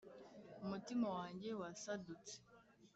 umutima wanjye wasadutse;